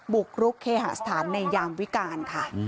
บุกรุกเคหาสถานในยามวิการค่ะ